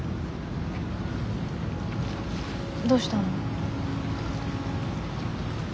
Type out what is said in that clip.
どうしたの？